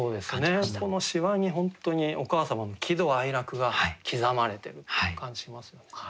この「皺」に本当にお母様の喜怒哀楽が刻まれてるっていう感じしますもんね。